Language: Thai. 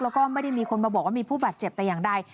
แล้วก็ไม่ได้มีคนมาบอกว่ามีผู้บาดเจ็บแต่อย่างใด